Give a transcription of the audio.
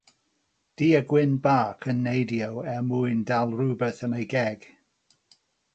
du a gwyn bach yn neidio er mwyn dal rhywbeth yn ei geg.